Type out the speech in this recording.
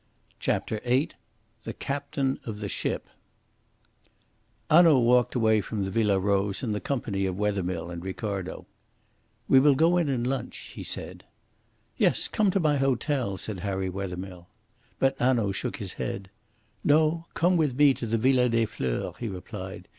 CHAPTER VIII THE CAPTAIN OF THE SHIP Hanaud walked away from the Villa Rose in the company of Wethermill and Ricardo. "We will go and lunch," he said. "Yes; come to my hotel," said Harry Wethermill. But Hanaud shook his head. "No; come with me to the Villa des Fleurs," he replied.